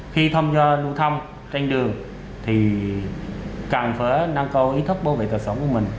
khi thăm do lưu thăm trên đường thì càng phớ năng cầu ý thức bảo vệ tật sống của mình